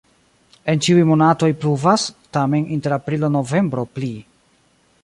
En ĉiuj monatoj pluvas, tamen inter aprilo-novembro pli.